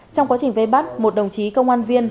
trong quá trình vây bắt một đồng chí công an viên